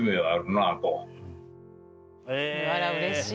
あらうれしい。